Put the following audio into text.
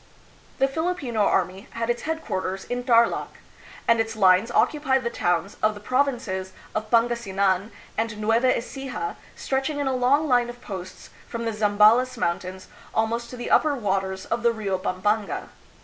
The Filipino army had its headquarters in Tarlak, and its lines occupied the towns of the provinces of Pangas inan and Nueva Ecija, stretching in a long line of posts from the Zambales Mountains almost to the upper waters of the Rio Pampanga.